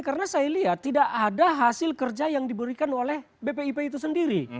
karena saya lihat tidak ada hasil kerja yang diberikan oleh bpip itu sendiri